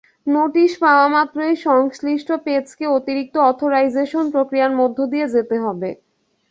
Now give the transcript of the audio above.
Notice পাওয়া মাত্রই সংশ্লিষ্ট পেজকে অতিরিক্ত অথোরাইজেশন প্রক্রিয়ার মধ্য দিয়ে যেতে হবে।